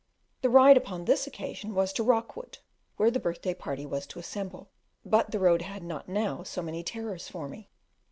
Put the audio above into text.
The ride upon this occasion was to Rockwood, where the birthday party was to assemble, but the road had not now so many terrors for me.